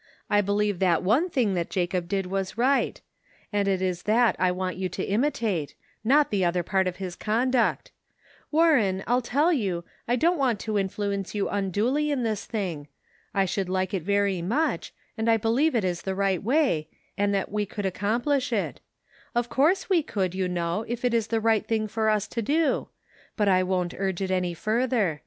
I believe that one thing that Jacob did was right ; and it is that I want you to imitate, not the other part of his conduct. Warren, I'll tell you, I don't want to influence you unduly in this thing. I should like it very much, and I believe it is the right way, and that we could accom plish it ; of course we could, you know, if it is the right thing for us to do ; but I won't urge it any further.